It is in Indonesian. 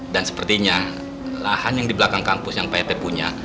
dan sepertinya lahan yang di belakang kampus yang pak rt punya